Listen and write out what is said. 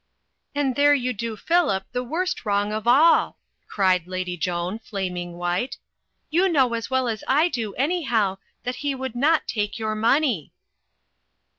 "And there you do Phillip the worst wrong of all," cried Lady Joan, flaming white. "You know as well as I do, anyhow, that he would not take your money."